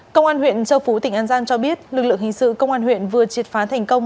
công an huyện châu phú tỉnh an giang cho biết lực lượng hình sự công an huyện vừa triệt phá thành công